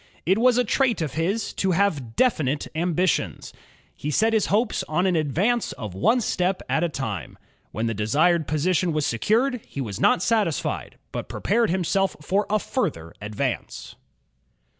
It was a trait of his to have definite ambitions. He set his hopes on an advance of one step at a time. When the desired position was secured, he was not satisfied, but prepared himself for a further advance.